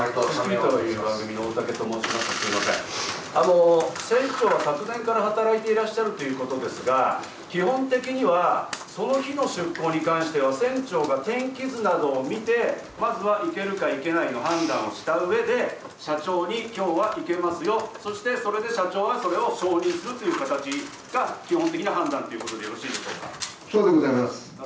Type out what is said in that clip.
すみません、船長は昨年から働いていらっしゃるということですが、基本的には、その日の出航に関しては、船長が天気図などを見て、まずは行けるか行けないの判断をしたうえで、社長にきょうは行けますよ、そして、それで社長は、それを承認するという形が基本的な判断ということでよろしいでしそうでございます。